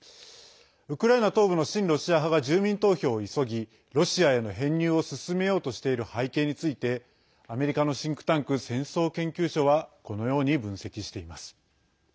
ウクライナ東部の親ロシア派が住民投票を急ぎロシアへの編入を進めようとしている背景についてアメリカのシンクタンク戦争研究所はこのように分析しています。